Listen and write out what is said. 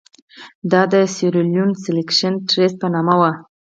دا د سیریلیون سیلکشن ټرست په نامه وو.